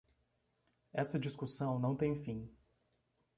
Essa discussão não tem fim